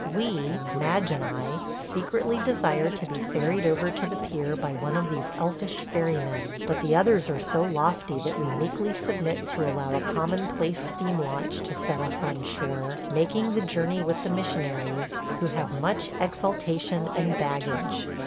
We – Madge and I – secretly desire to be ferried over to the pier by one of these elfish ferrymen; but the others are so lofty that we meekly submit to allow a commonplace steam launch to set us on shore, making the journey with the missionaries, who have much exaltation and baggage.